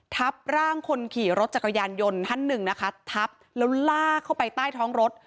ทับร่างคนขี่รถจักรยานยนต์ท่านหนึ่งนะคะทับแล้วลากเข้าไปใต้ท้องรถ